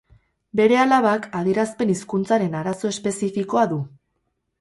Bere alabak adierazpen hizkuntzaren arazo espezifikoa du.